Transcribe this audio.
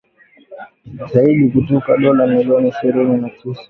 Zaidi kutoka dola milioni ishirini na tisa